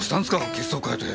血相変えて。